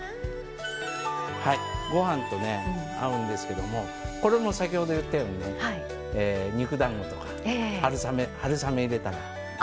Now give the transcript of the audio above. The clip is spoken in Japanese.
ご飯と合うんですけどもこれも先ほど言ったようにね肉だんごとか春雨入れたらアップですね。